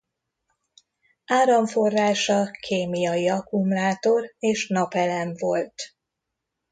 Áramforrása kémiai akkumulátor és napelem volt.